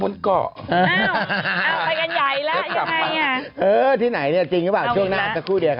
อึกอึกอึกอึกอึกอึกอึกอึก